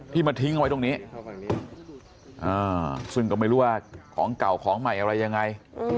มาทิ้งเอาไว้ตรงนี้ซึ่งก็ไม่รู้ว่าของเก่าของใหม่อะไรยังไง